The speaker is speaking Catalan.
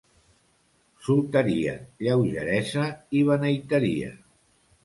Solteria, lleugeresa i beneiteria.